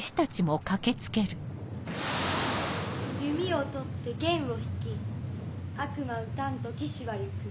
「弓を取って弦を引き悪魔討たんと騎士はゆく。